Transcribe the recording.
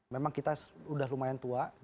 memang kita sudah lumayan tua